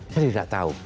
saya tidak tahu